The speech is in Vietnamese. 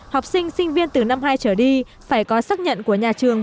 học sinh sinh viên từ năm hai trở đi phải có xác nhận của nhà trường